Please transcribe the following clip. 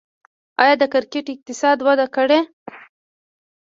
آیا د کرکټ اقتصاد وده کړې؟